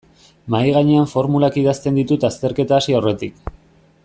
Mahaigainean formulak idazten ditut azterketa hasi aurretik.